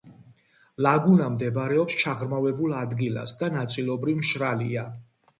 ლაგუნა მდებარეობს ჩაღრმავებულ ადგილას და ნაწილობრივ მშრალია.